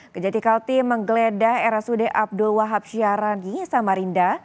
kejati kalti menggeledah rsud abdul wahab syarani sama rinda